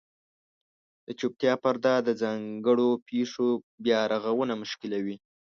د چوپتیا پرده د ځانګړو پېښو بیارغونه مشکلوي.